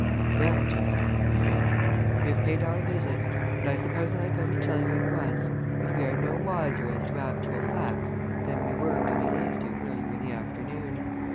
"Well, gentlemen," he said, "we have paid our visits, and I suppose I had better tell you at once that we are no wiser as to actual facts than we were when we left you earlier in the afternoon.